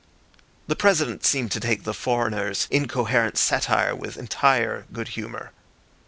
The President seemed to take the foreigner's incoherent satire with entire good humour.